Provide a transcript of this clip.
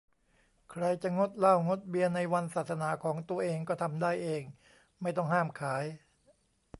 ใครจะงดเหล้างดเบียร์ในวันศาสนาของตัวเองก็ทำได้เอง ไม่ต้องห้ามขาย